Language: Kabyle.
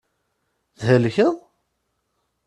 Thelkeḍ?